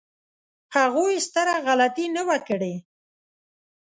هغوی ستره غلطي نه وه کړې.